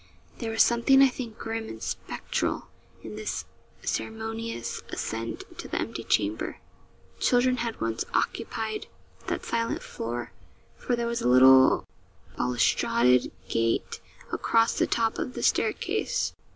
There was something I think grim and spectral in this ceremonious ascent to the empty chamber. Children had once occupied that silent floor for there was a little balustraded gate across the top of the staircase.